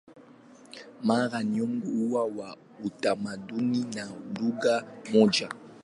Mara nyingi huwa na utamaduni na lugha moja.